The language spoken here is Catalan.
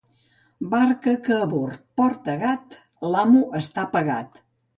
Barca que a bord porta gat, l'amo està pagat.